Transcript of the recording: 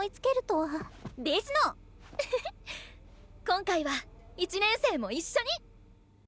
今回は１年生も一緒に！